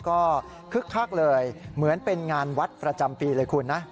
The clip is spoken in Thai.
ก็คึกคักเลยเหมือนเป็นงานวัดประจำปีเลยคุณนะ